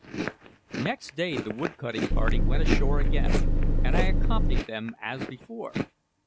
Next day the wood cutting party went ashore again, and I accompanied them as before.